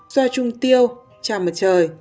xoa trung tiêu chào mặt trời